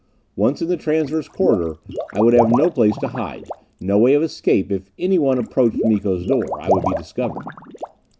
Once in the transverse corridor, I would have no place to hide, no way of escape; if anyone approached Miko's door, I would be discovered.